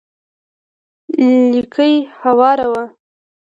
ليکي هوار و.